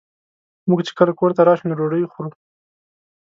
مونږ چې کله کور ته راشو نو ډوډۍ خورو